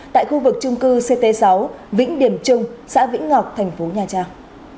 tại khu vực trung cư ct sáu vĩnh điểm trung xã vĩnh ngọc tp nha trang